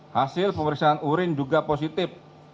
hasil pemeriksaan urin juga positif